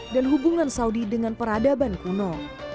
dan hubungan saudi dengan peradaban kuno